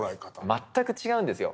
全く違うんですよ。